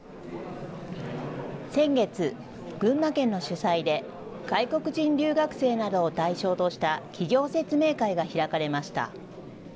先月、群馬県の主催で外国人留学生などを対象とした企業説明会が開かれました。